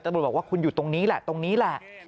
ตำรวจบอกว่าคุณอยู่ตรงนี้แหละตรงนี้แหละ